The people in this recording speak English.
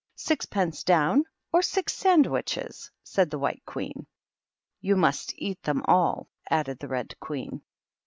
Sixpence down or six sandwiches," said the White Queen. "You must eat them all," added the Red Queen.